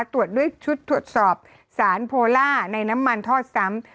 ตรวจด้วยชุดตรวจสอบสารโพล่าในน้ำมันทอดซ้ำ